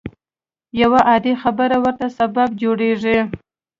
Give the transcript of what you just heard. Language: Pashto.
يوه عادي خبره ورته سبب جوړېږي.